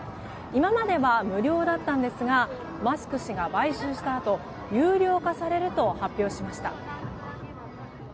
今までは無料だったんですがマスク氏が買収したあと有料化されると発表しました。